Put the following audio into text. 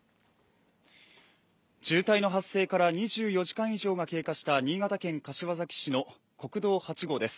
渋滞の発生から２４時間以上が経過した新潟県柏崎市の国道８号です。